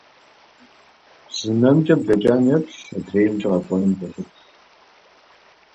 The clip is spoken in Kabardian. Зы нэмкӏэ блэкӏам еплъ, адреимкӏэ къэкӏуэнум кӏэлъыплъ.